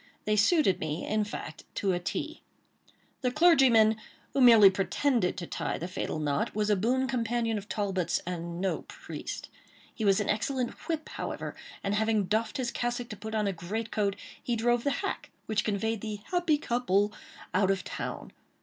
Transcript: They suited me, in fact, to a T. The clergyman, who merely pretended to tie the fatal knot, was a boon companion of Talbot's, and no priest. He was an excellent "whip," however; and having doffed his cassock to put on a great coat, he drove the hack which conveyed the "happy couple" out of town.